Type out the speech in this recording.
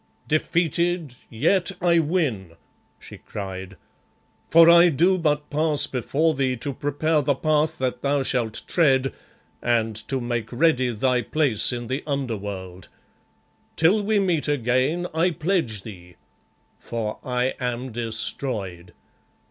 "'Defeated, yet I win,' she cried, 'for I do but pass before thee to prepare the path that thou shalt tread, and to make ready thy place in the Under world. Till we meet again I pledge thee, for I am destroyed.